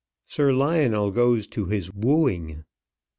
SIR LIONEL GOES TO HIS WOOING.